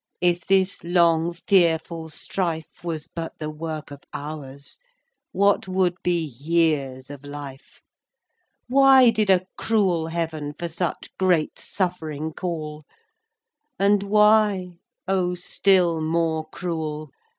If this long, fearful strife Was but the work of hours, What would be years of life? Why did a cruel Heaven For such great suffering call? And why—O, still more cruel!